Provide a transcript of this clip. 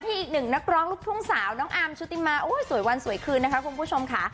อีกหนึ่งนักร้องลูกทุ่งสาวน้องอาร์มชุติมาโอ้ยสวยวันสวยคืนนะคะคุณผู้ชมค่ะ